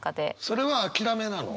それは諦めなの？